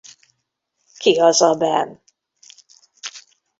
Ki az a Ben?